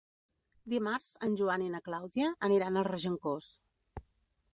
Dimarts en Joan i na Clàudia aniran a Regencós.